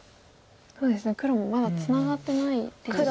そうですね黒もまだツナがってないですし。